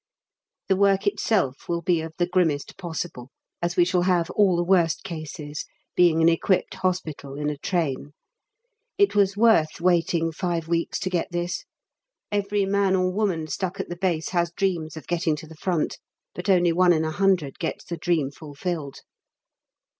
The work itself will be of the grimmest possible, as we shall have all the worst cases, being an equipped Hospital in a train. It was worth waiting five weeks to get this; every man or woman stuck at the Base has dreams of getting to the Front, but only one in a hundred gets the dream fulfilled.